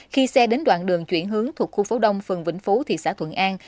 khi xe đến đoạn đường chuyển hướng thuộc khu phố đông phường vĩnh phú thị xã thuận an